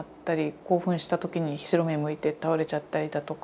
興奮した時に白目むいて倒れちゃったりだとか。